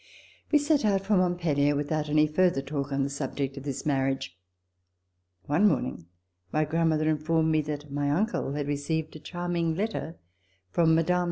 We set out for Montpellier without any further talk on the subject of this marriage. One morning my grandmother informed me that my uncle had received a charming letter from Mme.